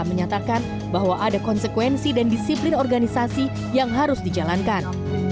menyatakan bahwa ada konsekuensi dan disiplin organisasi yang harus dijalankan